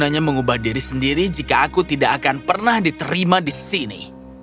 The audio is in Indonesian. dan dengan demikian tuan penjahat telah kembali